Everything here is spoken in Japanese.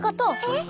え？